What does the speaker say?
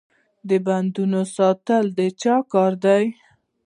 د بندونو ساتنه د چا کار دی؟